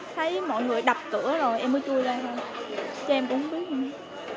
thấy mọi người đập cửa rồi em mới chui ra thôi cho em cũng không biết nữa